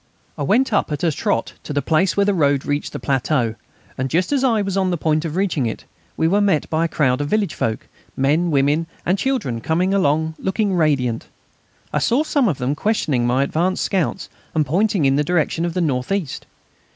I went up at a trot to the place where the road reached the plateau, and just as I was on the point of reaching it we were met by a crowd of village folk men, women, and children coming along, looking radiant. I saw some of them questioning my advance scouts and pointing in the direction of the north east.